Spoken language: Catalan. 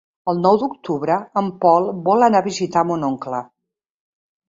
El nou d'octubre en Pol vol anar a visitar mon oncle.